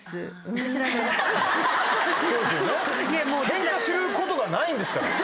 ケンカすることがないんですから。